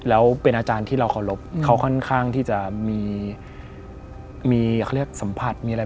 อ่าแค่นั้นพอ